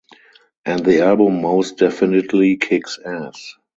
And the album most definitely kicks ass.